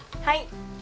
はい。